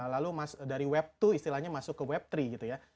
lalu dari web dua istilahnya masuk ke web tiga gitu ya